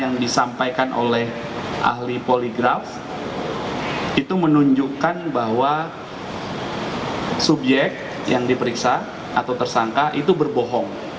yang disampaikan oleh ahli poligraf itu menunjukkan bahwa subjek yang diperiksa atau tersangka itu berbohong